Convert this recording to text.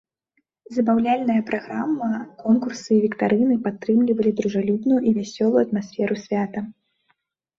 Забаўляльная праграма, конкурсы і віктарыны падтрымлівалі дружалюбную і вясёлую атмасферу свята.